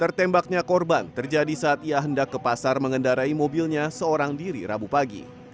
tertembaknya korban terjadi saat ia hendak ke pasar mengendarai mobilnya seorang diri rabu pagi